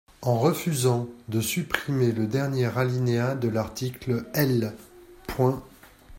En refusant de supprimer le dernier alinéa de l’article L.